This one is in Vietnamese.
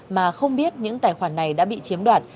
mà không biết những tài khoản này đã bị chiếm đoạt